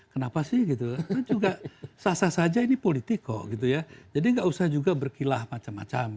kenapa sih kan juga sasar saja ini politik kok jadi gak usah juga berkilah macam macam